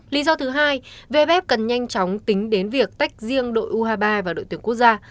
lý do thứ hai vpf cần nhanh chóng tính đến việc tách riêng đội u hai mươi ba và đội tuyển quốc gia